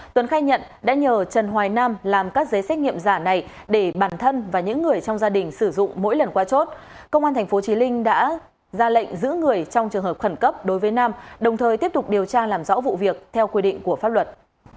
công an tp chí linh đã ra lệnh giữ người trong trường hợp khẩn cấp đối với nam đồng thời tiếp tục điều tra làm rõ vụ việc theo quy định của pháp luật